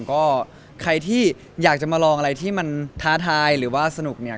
ก็ใครที่อยากจะมาลองอะไรที่มันท้าทายหรือว่าสนุกเนี่ย